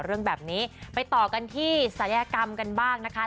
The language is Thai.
เรื่องแบบนี้ไปต่อกันที่ศัลยกรรมกันบ้างนะคะ